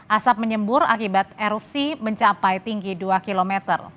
asap menyembur akibat erupsi mencapai tinggi dua km